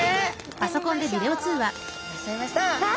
いらっしゃいました！